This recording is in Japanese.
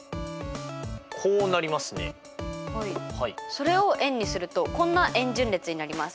それを円にするとこんな円順列になります。